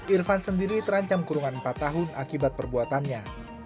irfan sendiri terancam kurungan empat tahun akibat perbuatannya